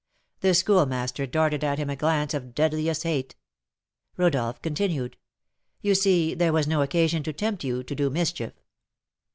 The Schoolmaster darted at him a glance of deadliest hate. Rodolph continued: "You see there was no occasion to tempt you to do mischief."